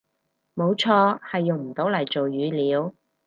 冇錯，係用唔到嚟做語料